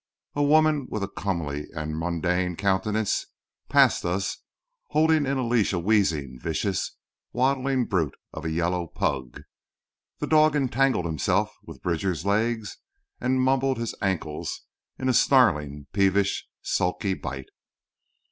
A woman with a comely and mundane countenance passed us, holding in leash a wheezing, vicious, waddling, brute of a yellow pug. The dog entangled himself with Bridger's legs and mumbled his ankles in a snarling, peevish, sulky bite.